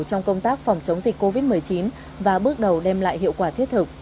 trong công tác phòng chống dịch covid một mươi chín và bước đầu đem lại hiệu quả thiết thực